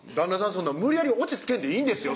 そんな無理やりオチつけんでいいんですよ